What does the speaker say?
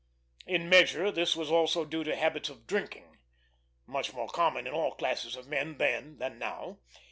In measure, this was also due to habits of drinking, much more common in all classes of men then than now.